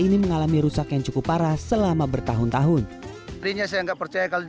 ini mengalami rusak yang cukup parah selama bertahun tahun ini saya nggak percaya kalau